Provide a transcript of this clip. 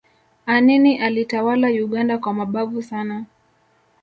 anini alitawala uganda kwa mabavu sana